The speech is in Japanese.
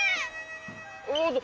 おっと。